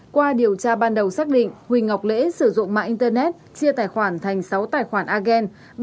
qua điều tra ban đầu xác định huỳnh ngọc lễ sử dụng mạng internet chia tài khoản thành sáu tài khoản agen